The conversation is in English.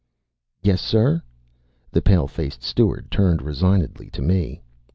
"Yes, sir," the pale faced steward turned resignedly to me.